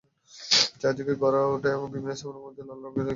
চারদিকে গড়ে ওঠা বিভিন্ন স্থাপনার মধ্যে লাল রঙের একটি দালান দেখা গেল।